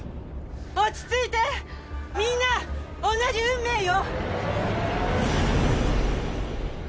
落ち着いてみんな同じ運命よ